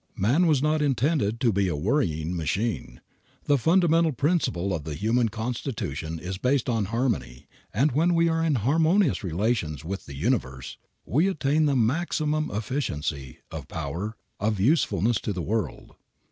Man was not intended to be a worrying machine. The fundamental principle of the human constitution is based on harmony and, when we are in harmonious relations with the universe, we attain the maximum of efficiency, of power, of usefulness to the world.